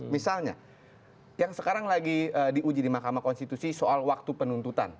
misalnya yang sekarang lagi diuji di mahkamah konstitusi soal waktu penuntutan